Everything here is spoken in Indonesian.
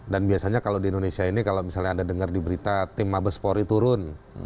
dan biasanya kalau di indonesia ini kalau misalnya anda dengar di berita tim mabes polri turun